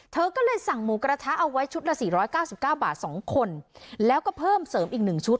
เธอก็เลยสั่งหมูกระทะเอาไว้ชุดละสี่ร้อยเก้าสิบเก้าบาทสองคนแล้วก็เพิ่มเสริมอีกหนึ่งชุด